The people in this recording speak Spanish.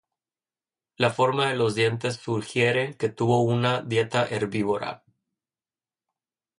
La forma de los dientes sugiere que tuvo una dieta herbívora.